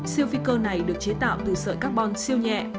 siêu phi cơ này được chế tạo từ sợi carbon siêu nhẹ